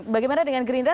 bagaimana dengan gerindra